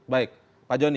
baik pak joni